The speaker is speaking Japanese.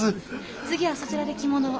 次はそちらで着物を。